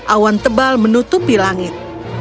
awan tebal menutupi langit